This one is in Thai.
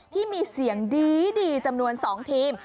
ที่มีเสียงดีจำนวน๒ทีม